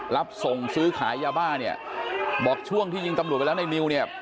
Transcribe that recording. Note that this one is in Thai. รับส่งซื้อขายยาบ้าเนี่ยบอกช่วงที่ยิงตำรวจไปแล้วในนิวเนี่ย